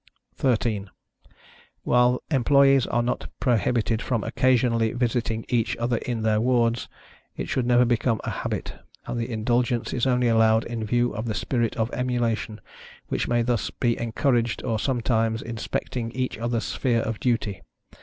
13. While employees are not prohibited from occasionally visiting each other in their wards, it should never become a habit, and the indulgence is only allowed in view of the spirit of emulation, which may thus be encouraged by sometimes inspecting each otherâ€™s sphere of duty.